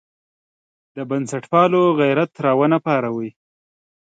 د بنسټپالو غیرت راونه پاروي.